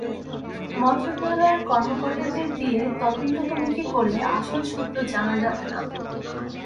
মন্ত্রণালয়ের কর্মকর্তাদের দিয়ে তদন্ত কমিটি করলে আসল সত্য জানা যাবে না।